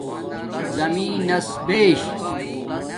زمین نس بیش